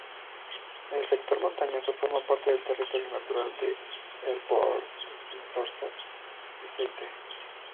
El sector montañoso forma parte del territorio natural de Els Ports de Tortosa-Beceite.